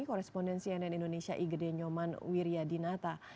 korespondensi nn indonesia igede nyoman wiryadinata